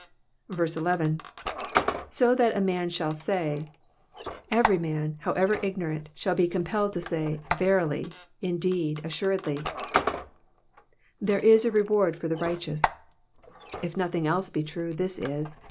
11. '*^) UuU a man shaU say.'*'* Every man however ignorant shall be com pelled to say, ^'Verily,'''' in very deed, assuredly, ^^ there is a reward for tlic righteous,''' If nothing else be true this is.